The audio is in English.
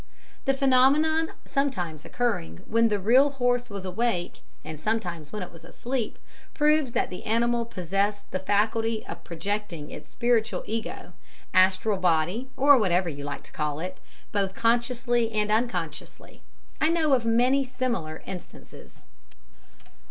The phenomenon sometimes occurring when the real horse was awake, and sometimes when it was asleep, proves that the animal possessed the faculty of projecting its spiritual ego astral body, or whatever you like to call it both consciously and unconsciously. I know of many similar instances.